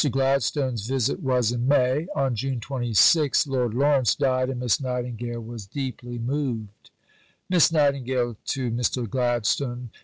Gladstone's visit was in May. On June 26 Lord Lawrence died, and Miss Nightingale was deeply moved: (_Miss Nightingale to Mr. Gladstone.